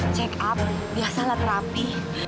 check up biasa lah rapi